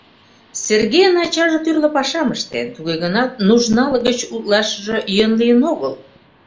Сергейын ачаже тӱрлӧ пашам ыштен, туге гынат нужналык гыч утлашыже йӧн лийын огыл.